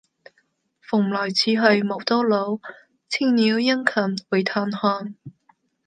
蓬萊此去無多路，青鳥殷勤為探看。